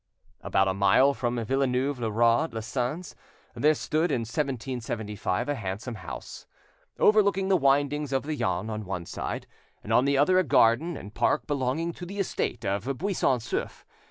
About a mile from Villeneuve le Roi les Sens, there stood in 1775 a handsome house, overlooking the windings of the Yonne on one side, and on the other a garden and park belonging to the estate of Buisson Souef.